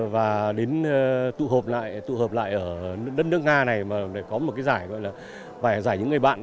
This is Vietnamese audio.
và đến tụ hợp lại ở đất nước nga này để có một cái giải gọi là giải những người bạn